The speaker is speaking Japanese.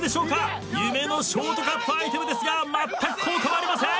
夢のショートカットアイテムですがまったく効果はありません！